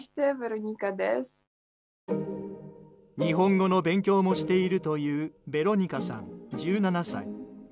日本語の勉強もしているというヴェロニカさん、１７歳。